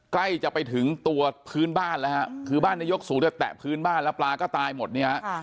ใกล้จะไปถึงตัวพื้นบ้านแล้วฮะคือบ้านนายกสูงจะแตะพื้นบ้านแล้วปลาก็ตายหมดเนี่ยฮะ